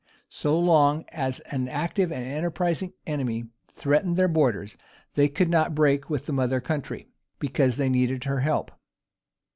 So long as an active and enterprising enemy threatened their borders, they could not break with the mother country, because they needed her help.